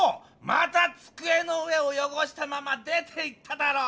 またつくえの上をよごしたまま出ていっただろ！